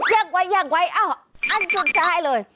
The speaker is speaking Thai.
ไว้แย่งไว้อ้าวอันสุดท้ายเลย